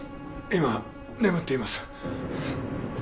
今眠っています